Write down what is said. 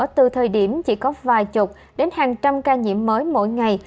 từ thời điểm chỉ có vài chục đến hàng trăm ca nhiễm mới mỗi ngày